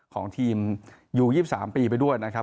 ของทีมยู๒๓ปีไปด้วยนะครับ